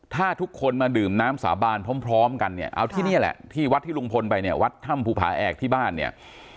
ถ้าทุกคนมาดื่มน้ำสาบานพร้อมกันเนี่ยเอาที่นี่แหละที่วัดที่ลุงพลไปเนี่ยวัดถ้ำภูผาแอกที่บ้านเนี่ย